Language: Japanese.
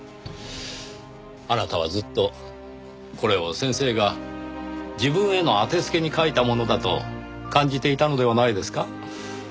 あなたはずっとこれを先生が自分への当てつけに書いたものだと感じていたのではないですか？